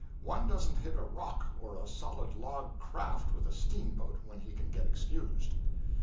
One doesn't hit a rock or a solid log craft with a steamboat when he can get excused.